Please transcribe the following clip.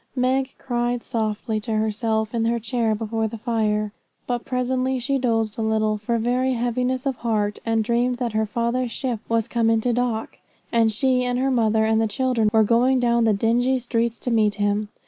Meg cried softly to herself in her chair before the fire, but presently she dozed a little for very heaviness of heart, and dreamed that her father's ship was come into dock, and she, and her mother, and the children were going down the dingy streets to meet him.